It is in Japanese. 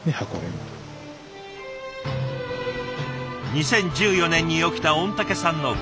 ２０１４年に起きた御嶽山の噴火。